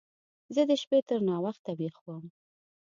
زه د شپې تر ناوخته ويښ وم.